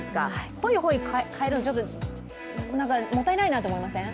ほいほい代えるの、もったいないなと思いません？